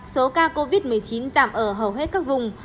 số ca covid một mươi chín giảm ở hầu hết các vùng